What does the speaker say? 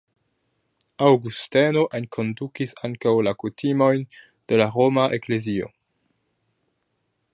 Aŭgusteno enkondukis ankaŭ la kutimojn de la roma eklezio.